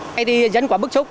thế thì dân quá bức xúc